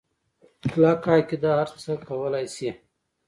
کلکه عقیده هرڅه کولی شي.